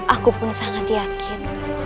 aku pun sangat yakin